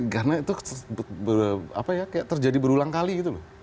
karena itu terjadi berulang kali gitu loh